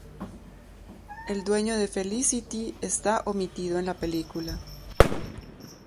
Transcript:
El dueño de Felicity está omitido en la película.